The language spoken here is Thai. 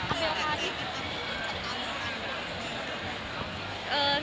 อันเด็กแรกต้องเปิดสมุดคิวก่อนค่ะ